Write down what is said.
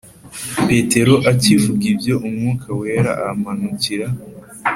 Petero akivuga ibyo Umwuka Wera amanukira